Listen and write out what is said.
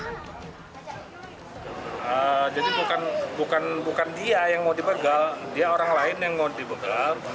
jadi bukan dia yang mau dibegal dia orang lain yang mau dibegal